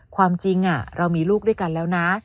ความจริงเรามีลูกด้วยกันแล้วนะ